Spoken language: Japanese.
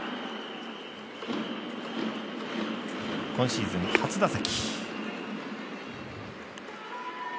今シーズン、初打席。